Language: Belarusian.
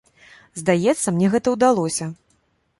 Здаецца, мне гэта ўдалося.